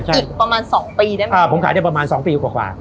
ต่อไปอีกประมาณ๒ปีได้ไหมอ่าผมขายได้ประมาณ๒ปีกว่า